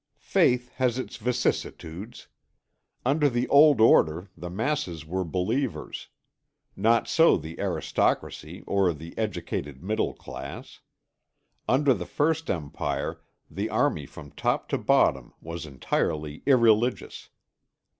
Faith has its vicissitudes. Under the old order the masses were believers, not so the aristocracy or the educated middle class. Under the First Empire the army from top to bottom was entirely irreligious.